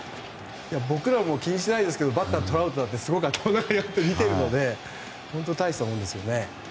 僕ら気にしないですけどバッターがトラウトってすごく頭の中にあって見ているので大したものです。